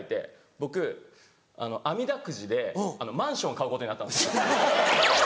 僕あみだくじでマンション買うことになったんですよ。